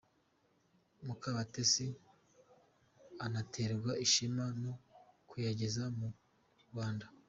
Mukabatesi anaterwa ishema no kuyageza mu Rwanda.